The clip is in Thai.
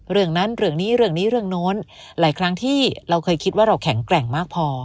เรื่องนั้นเรื่องนี้เรื่องนี้เรื่องโน้นหลายครั้งที่เราเคยคิดว่าเราแข็งแกร่งมากพอ